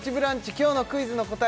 今日のクイズの答え